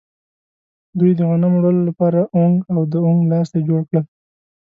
دوی د غنمو وړلو لپاره اونګ او د اونګ لاستی جوړ کړل.